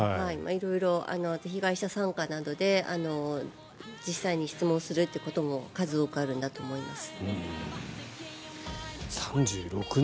色々、被害者参加などで実際に質問するということも数多くあるんだと思います。